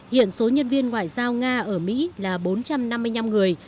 hiện số nhân viên ngoại giao nga ở mỹ là bốn trăm năm mươi năm người